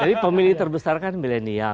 jadi pemilih terbesar kan milenial ya